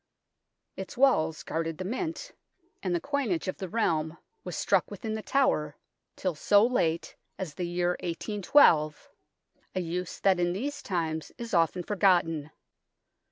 Its walls guarded the Mint, and the coinage of the realm was THE FORTRESS 25 struck within The Tower till so late as the year 1812 a use that in these times is often forgotten.